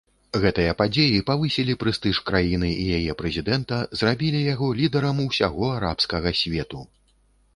Гэтыя падзеі павысілі прэстыж краіны і яе прэзідэнта, зрабілі яго лідарам усяго арабскага свету.